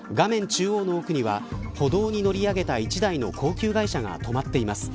中央の奥には歩道に乗り上げた１台の高級外車が止まっています。